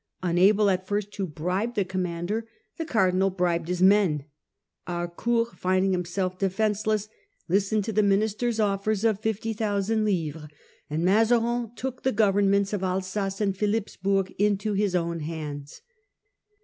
Unable at first to bribe the commander, the Cardinal bribed his men. Harcourt, finding himself defenceless, listened to the minister's offers of 50,000 livres, and Mazarin took the governments of Alsace and Philippsburg into his own hands.